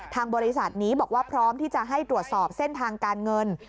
ทางบริษัทนี้บอกว่าพร้อมที่จะให้ตรวจสอบเส้นทางการเงิน